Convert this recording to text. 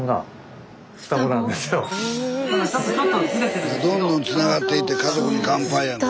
スタジオどんどんつながっていって「家族に乾杯」やんか。